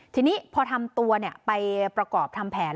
ทีนี้พอทำตัวเนี่ยไปประกอบทำแผนแล้ว